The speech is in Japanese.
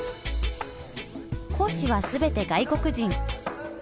講師は全て外国人。